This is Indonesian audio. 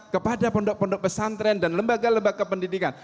kepada pondok pondok pesantren dan lembaga lembaga pendidikan